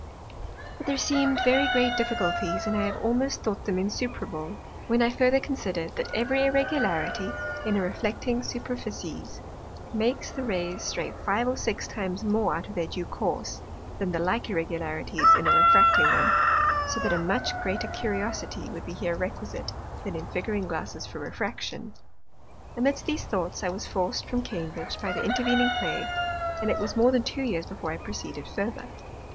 But there seem'd very great Difficulties, and I have almost thought them insuperable, when I further consider'd, that every Irregularity in a reflecting Superficies makes the Rays stray five or six times more out of their due course, than the like Irregularities in a refracting one; So that a much greater Curiosity would be here requisite, than in Figuring Glasses for Refraction. Amidst these Thoughts I was forc'd from Cambridge by the Intervening Plague, and it was more than two Years before I proceeded further.